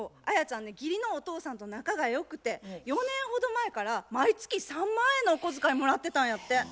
アヤちゃんね義理のお父さんと仲が良くて４年ほど前から毎月３万円のお小遣いもらってたんやって。